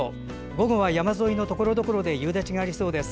午後は山沿いのところどころで夕立がありそうです。